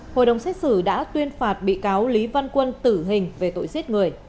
hội đồng xét xử đã tuyên phạt bị cáo lý văn quân tử hình về tội giết người